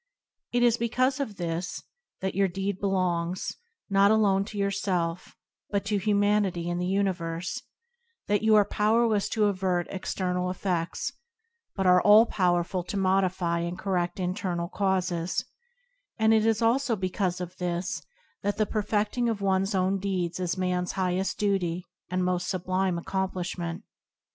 It is because of this — that your deed belongs, not alone to your self, but to humanity and the universe —[ i2 ] TBoOp anD Circumstance that you are powerless to avert external ef fects, but are all powerful to modify and cor rect internal causes ; and it is also because of this that the perfe&ing of one's own deeds is man's highest duty and most sublime accomplishment.